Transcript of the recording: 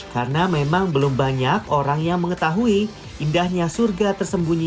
karena memang belum banyak orang yang mengetahui indahnya surga tersembunyi